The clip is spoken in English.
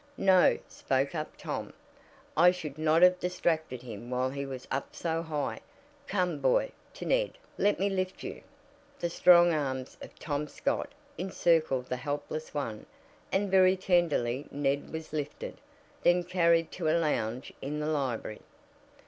"No," spoke up Tom, "I should not have distracted him while he was up so high. Come, boy," to Ned, "let me lift you." The strong arms of Tom Scott encircled the helpless one, and very tenderly Ned was lifted, then carried to a lounge in the library.